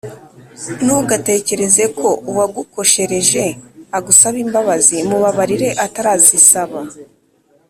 Ntugategereze ko uwagukoshereze agusaba imbabazi mubabarire atarazisaba